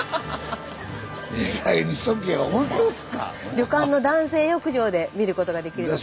旅館の男性浴場で見ることができるので。